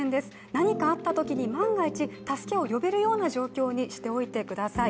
何かあったときに万が一助けを呼べるような状況にしておいてください。